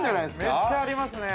◆めっちゃありますね。